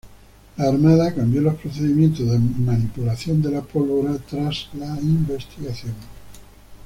La Armada cambió los procedimientos de manipulación de la pólvora tras la investigación.